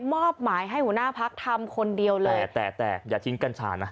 มอบหมายให้หัวหน้าพักทำคนเดียวเลยแต่แต่แต่อย่าทิ้งกัญชานะ